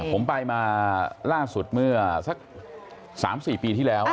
ผมไปมาล่าสุดเมื่อสัก๓๔ปีที่แล้ว